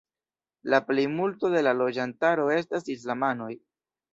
La plejmulto de la loĝantaro estas islamanoj.